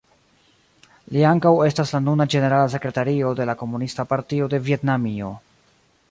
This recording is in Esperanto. Li ankaŭ estas la nuna ĝenerala sekretario de la Komunista Partio de Vjetnamio.